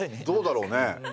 どうだろうね。